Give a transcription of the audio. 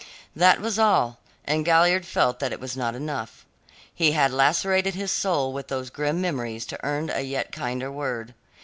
That was all, and Galliard felt that it was not enough. He had lacerated his soul with those grim memories to earn a yet kinder word.